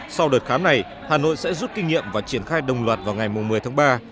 sau đợt khám này hà nội sẽ rút kinh nghiệm và triển khai đồng loạt vào ngày một mươi tháng ba